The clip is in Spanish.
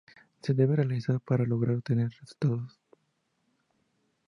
Se debe realizar para lograr obtener mejores resultados.